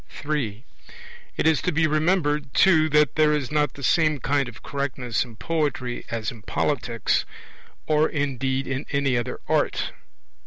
(3) It is to be remembered, too, that there is not the same kind of correctness in poetry as in politics, or indeed any other art.